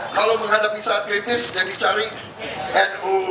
kalau menghadapi saat kritis ya dicari nu